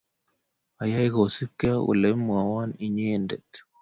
Ayae kosupkei ak ole imwowon inyendet.